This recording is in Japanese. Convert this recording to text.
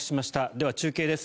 では中継です。